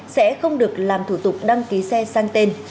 sẽ không được làm thủ tục đăng ký xe sang tên